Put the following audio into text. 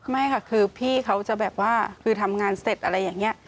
ไม่ค่ะคือพี่เขาจะแบบว่าคือทำงานเสร็จอะไรอย่างนี้